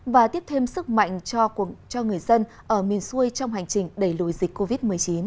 và tiếp thêm sức mạnh cho người dân ở miền xuôi trong hành trình đẩy lùi dịch covid một mươi chín